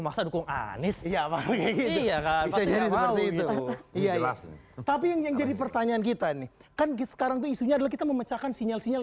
masa dukung anies iya ini tapi yang jadi pertanyaan kita nih sekarang misalnya kita memecahkan sinyal sinyal